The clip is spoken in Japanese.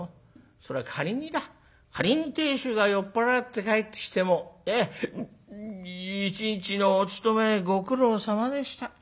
そら仮にだ仮に亭主が酔っ払って帰ってきても『一日のお勤めご苦労さまでした。